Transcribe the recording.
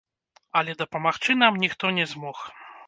Але дапамагчы нам ніхто не змог.